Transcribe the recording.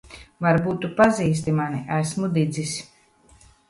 Varbūt tu pazīsti mani. Esmu Didzis.